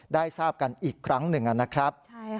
ได้ทราบกันอีกครั้งหนึ่งนะครับ